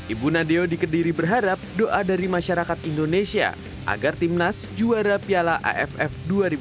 ibu nadeo dikediri berharap doa dari masyarakat indonesia agar tim nas juara piala aff dua ribu dua puluh